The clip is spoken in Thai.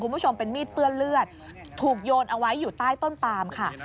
คุณผู้ชมเป็นมีดเปื้อนเลือดถูกโยนเอาไว้อยู่ใต้ต้นปามค่ะ